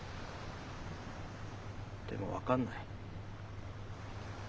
でも分かんない。